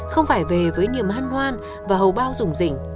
không phải về với niềm hăn hoan và hầu bao rủng rỉnh